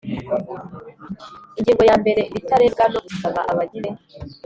Ingingo yambere Ibitarebwa no gusaba abagize